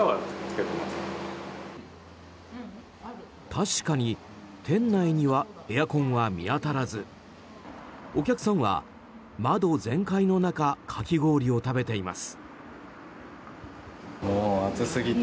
確かに店内にはエアコンは見当たらずお客さんは窓全開の中かき氷を食べています。